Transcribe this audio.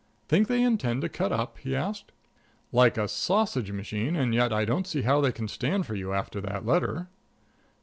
"Think they intend to cut up?" he asked. "Like a sausage machine; and yet I don't see how they can stand for you after that letter."